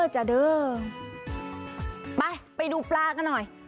ไปไปดูปลากันหน่อย